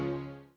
aku tak tahu